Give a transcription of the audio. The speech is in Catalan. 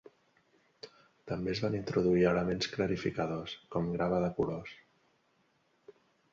També es van introduir elements clarificadors, com grava de colors.